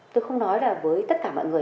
tôi không nói là với tất cả mọi người